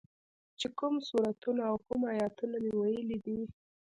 چې کوم سورتونه او کوم ايتونه مې ويلي دي.